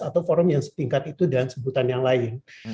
atau forum yang setingkat itu dan sebutan yang lain